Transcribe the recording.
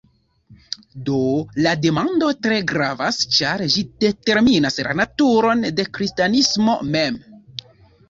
Do la demando tre gravas ĉar ĝi determinas la naturon de kristanismo mem.